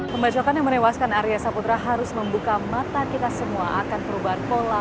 pembacokan yang menewaskan arya saputra harus membuka mata kita semua akan perubahan pola